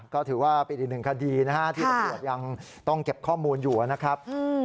ก็ถือว่าเป็นอีกหนึ่งคดีนะฮะที่ตำรวจยังต้องเก็บข้อมูลอยู่นะครับ